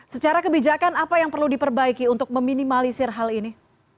secara kebijakan apa yang perlu diperbaiki untuk meminimalisir hal ini